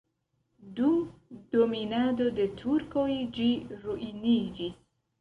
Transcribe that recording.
Dum dominado de turkoj ĝi ruiniĝis.